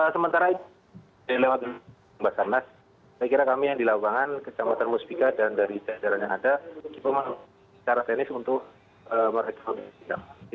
sementara ini lewat pembahasan mas saya kira kami yang di lapangan ke camatan busbika dan dari daerah yang ada kita mencari tenis untuk merekomendasikan